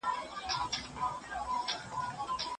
ته وا نه يې له ابليس څخه زوولى